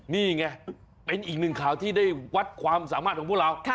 นี่ไงเป็นอีกหนึ่งข่าวที่ได้วัดความสามารถของพวกเรา